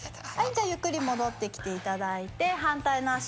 じゃあゆっくり戻ってきていただいて反対の足もいきましょう。